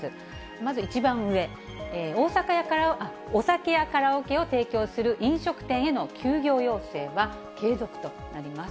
まず１番上、お酒やカラオケを提供する飲食店への休業要請は継続となります。